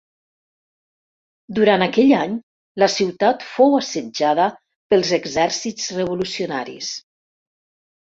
Durant aquell any la ciutat fou assetjada pels exèrcits revolucionaris.